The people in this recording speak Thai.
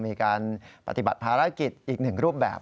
มีการปฏิบัติภารกิจอีกหนึ่งรูปแบบ